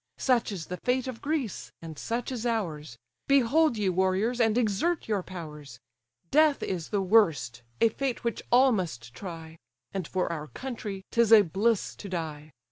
Such is the fate of Greece, and such is ours: Behold, ye warriors, and exert your powers. Death is the worst; a fate which all must try; And for our country, 'tis a bliss to die.